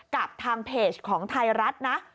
กับทางเพจของไทยรัฐนะ